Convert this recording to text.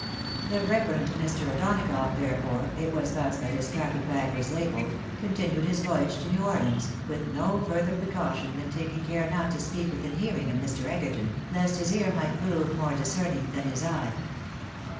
The reverend Mr. O'Dona gough therefore (it was thus that his carpet bag was labelled) continued his voyage to New Orleans, with no further precaution than taking care not to speak within hearing of Mr. Egerton, lest his ear might prove more discerning than his eye.